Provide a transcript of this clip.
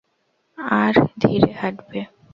আর ধীরে হাঁটবে।